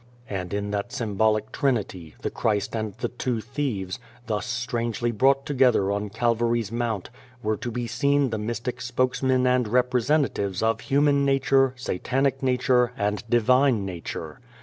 And in that symbolic trinity, the Christ and the two thieves, thus strangely brought together on Calvary's Mount, were to be seen the mystic spokesmen and representatives of Human Nature, Satanic Nature, and Divine Nature.